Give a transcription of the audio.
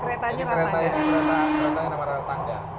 ini keretanya namakan ratangga